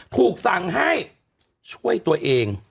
ถูกสั่งให้ช่วยตัวเอง